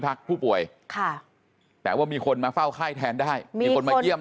ผู้ป่วยค่ะแต่ว่ามีคนมาเฝ้าไข้แทนได้มีคนมาเยี่ยม